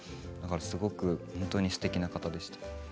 すごく本当にすてきな方でした。